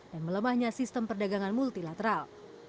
melemahnya sistem perdagangan multilateral